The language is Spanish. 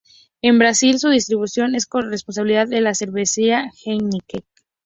En Brasil, su distribución es responsabilidad de la cervecería Heineken.